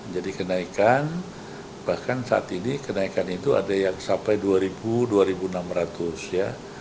jadi kenaikan bahkan saat ini kenaikan itu ada yang sampai dua ribu dua ribu enam ratus ya